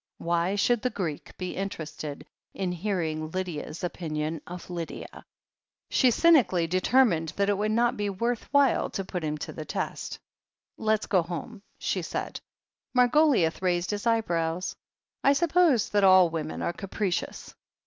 Why should the Greek be interested in hearing Lydia's opinion of Lydia? She cynically determined that it would not be worth while to put him to the test. \ THE HEEL OF ACHILLES 179 "Let's go home," she said. Margoliouth raised his eyebrows. "I suppose that all women are capricious."